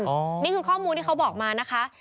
นี่คือข้อมูลที่เขาบอกมานะคะ